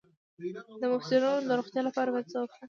د مفصلونو د روغتیا لپاره باید څه وکړم؟